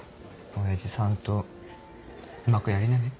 親父さんとうまくやりなね。